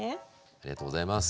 ありがとうございます。